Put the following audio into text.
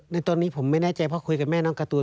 ในตอนนี้ผมไม่แน่ใจเพราะคุยกับแม่น้องการ์ตูน